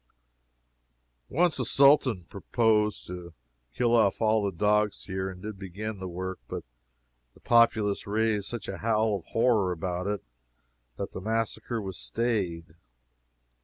Once a Sultan proposed to kill off all the dogs here, and did begin the work but the populace raised such a howl of horror about it that the massacre was stayed.